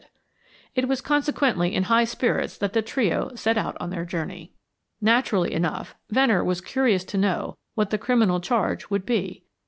It was consequently in high spirits that the trio set out on their journey. Naturally enough Venner was curious to know what the criminal charge would be.